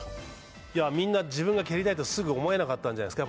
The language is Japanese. みんな自分が蹴りたいってすぐ思えなかったんじゃないですか。